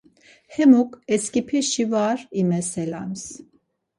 Hemuk esǩipeşi var imeselams.